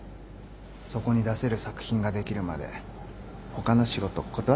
そこに出せる作品ができるまで他の仕事断っとくから。